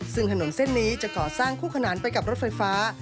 ซึ่งถนนเส้นนี้จะก่อสร้างคู่ขนานไปกับรถไฟฟ้า